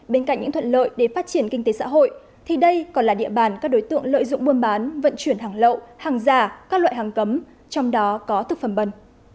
bên cạnh những thuận lợi để phát triển kinh tế xã hội thì đây còn là địa bàn các đối tượng lợi dụng buôn bán vận chuyển hàng lậu hàng giả các loại hàng cấm trong đó có thực phẩm bẩn